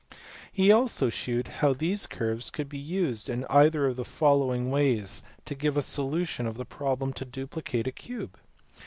He also shewed how these curves could be used in either of the two following ways to give a solution of the problem to duplicate a cube.